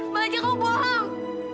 bajak kamu bohong